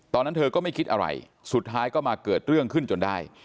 ตอนนั้นเธอก็ไม่คิดอะไรสุดท้ายก็มาเกิดเรื่องขึ้นจนได้